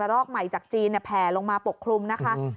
รอกใหม่จากจีนแผลลงมาปกคลุมนะคะ